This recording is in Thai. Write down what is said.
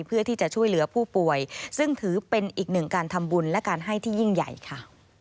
เพื่อที่จะช่วยเหลือผู้ป่วยซึ่งถือเป็นอีกหนึ่งการทำบุญและการให้ที่ยิ่งใหญ่ค่ะ